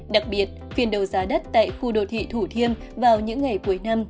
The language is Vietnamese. đặc biệt phiên đầu giá đất tại khu đồ thị thủ thiêm vào những ngày cuối năm